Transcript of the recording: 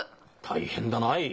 大変だない。